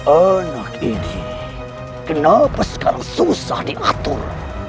anak ini kenapa sekarang susah diatur